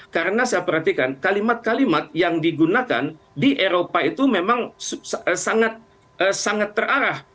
karena saya perhatikan kalimat kalimat yang digunakan di eropa itu memang sangat terarah